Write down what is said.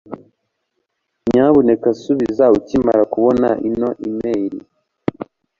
Nyamuneka subiza ukimara kubona iyi imeri